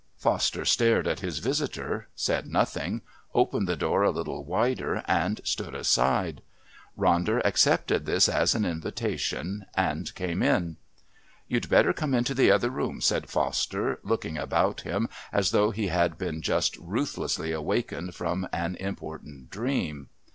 Foster stared at his visitor, said nothing, opened the door a little wider, and stood aside. Ronder accepted this as an invitation and came in. "You'd better come into the other room," said Foster, looking about him as though he had been just ruthlessly awakened from an important dream.